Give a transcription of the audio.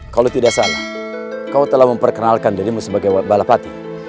kalau tidak salah kau telah memperkenalkan dirimu sebagai balapati